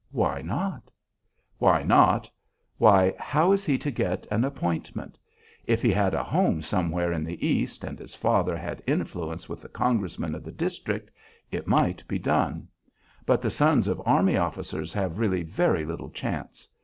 "Why not?" "Why not? Why! how is he to get an appointment? If he had a home somewhere in the East, and his father had influence with the Congressman of the district, it might be done; but the sons of army officers have really very little chance.